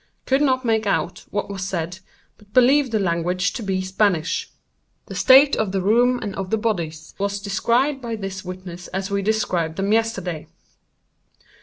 Could not make out what was said, but believed the language to be Spanish. The state of the room and of the bodies was described by this witness as we described them yesterday.